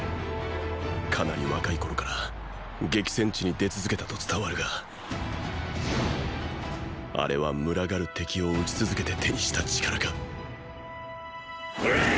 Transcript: かなり若い頃から激戦地に出続けたと伝わるがあれは群がる敵を討ち続けて手にした“力”かオラァ！